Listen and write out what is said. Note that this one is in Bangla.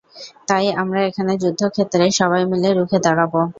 তাই আমরা এখানে যুদ্ধক্ষেত্রে সবাই মিলে রুখে দাঁড়াবো।